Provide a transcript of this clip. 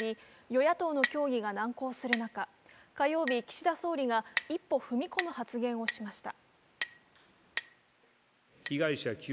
与野党の協議が難航する中、火曜日、岸田総理が一歩踏み込む発言をしました。